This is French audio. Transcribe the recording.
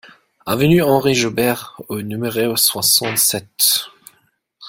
Avenue Henri Jaubert au numéro soixante-sept